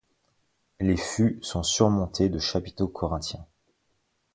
Les futs sont surmontés de chapiteaux corinthiens.